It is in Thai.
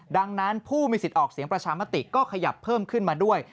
ดังนั้นผู้มีสิทธิ์ออกเสียงประชามติก็ขยับเพิ่มขึ้นมาด้วย